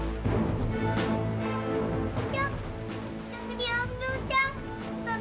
cak jangan diambil cak